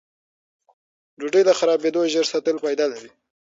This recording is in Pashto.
ډوډۍ له خرابېدو ژر ساتل فایده لري.